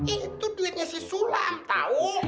itu duitnya si sulam tau